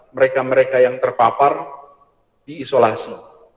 mereka mereka yang terpapar diisolasi